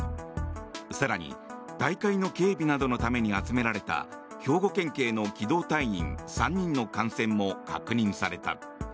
更に、大会の警備などのために集められた兵庫県警の機動隊員３人の感染も確認された。